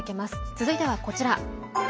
続いてはこちら。